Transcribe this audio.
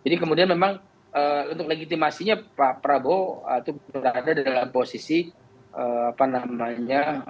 jadi kemudian memang untuk legitimasinya pak prabowo itu berada dalam posisi apa namanya